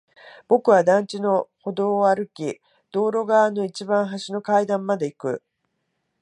僕は団地の歩道を歩き、道路側の一番端の階段まで行く。